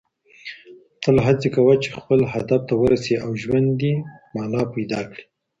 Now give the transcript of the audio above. تل هڅي کوه چي خپل هدف ته ورسې او ژوند دي مانا پيدا کړي .